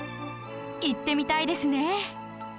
行ってみたいですね